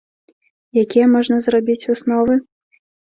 Якія можна зрабіць высновы?